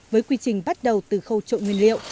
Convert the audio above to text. với quy trình bắt đầu từ khâu trộn nguyên liệu